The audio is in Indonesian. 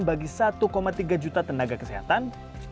bagi satu tiga juta tenaga kesehatan